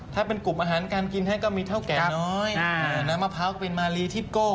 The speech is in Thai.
ถ้าเป็นกลุ่มอาหารการกินท่านก็มีเท่าแก่น้อยน้ำมะพร้าวเป็นมารีทิปโก้